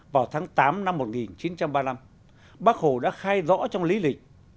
vào tháng tám năm một nghìn chín trăm ba mươi năm bác hồ đã khai rõ trong lý lịch